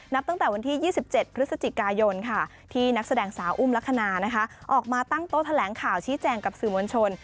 ตั้งแต่วันที่๒๗พฤศจิกายนที่นักแสดงสาวอุ้มลักษณะออกมาตั้งโต๊ะแถลงข่าวชี้แจงกับสื่อมวลชน